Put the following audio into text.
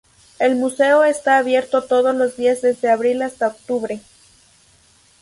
El museo está abierto todos los días desde abril hasta octubre.